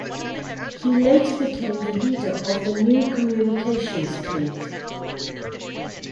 He later became the leader of the New Communications Clique.